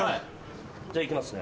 じゃあ行きますね。